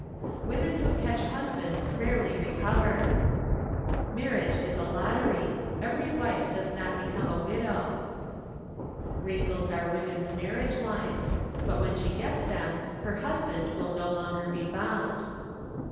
Women who catch husbands rarely recover. Marriage is a lottery; every wife does not become a widow. Wrinkles are woman's marriage lines; but when she gets them her husband will no longer be bound.